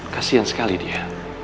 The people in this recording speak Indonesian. kasian sekali dia